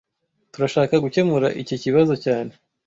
Turashaka gukemura iki kibazo cyane